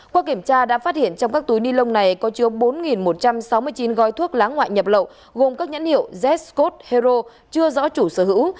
qua kiểm tra đã phát hiện trong các túi ni lông này có chứa bốn một trăm sáu mươi chín gói thuốc lá ngoại nhập lậu gồm các nhãn hiệu z code hero chưa rõ chủ sở hữu